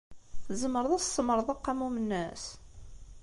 Tzemreḍ ad as-tsemmṛeḍ aqamum-nnes?